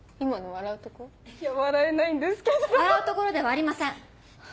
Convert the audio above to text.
笑うところではありません。